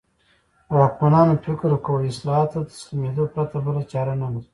واکمنانو فکر کاوه اصلاحاتو ته تسلیمېدو پرته بله چاره نه لري.